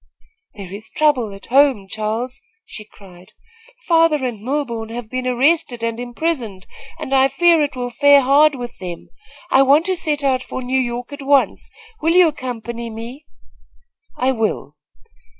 "There is trouble at home, Charles," she cried. "Father and Milborne have been arrested and imprisoned and I fear it will fare hard with them. I want to set out for New York at once. Will you accompany me?" "I will."